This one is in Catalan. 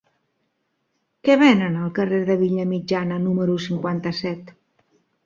Què venen al carrer de Vallmitjana número cinquanta-set?